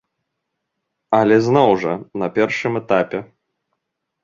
Але зноў жа, на першым этапе.